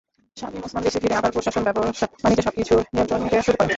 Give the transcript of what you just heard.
শামীম ওসমান দেশে ফিরে আবার প্রশাসন, ব্যবসা-বাণিজ্য সবকিছুর নিয়ন্ত্রণ নিতে শুরু করেন।